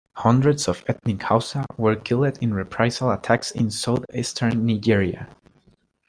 Hundreds of ethnic Hausa were killed in reprisal attacks in south-eastern Nigeria.